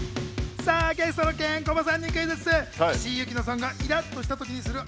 さぁゲストのケンコバさんにクイズッス！